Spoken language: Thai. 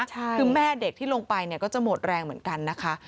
คือแม่เด็กที่ลงไปเนี่ยก็จะหมดแรงเหมือนกันนะคะ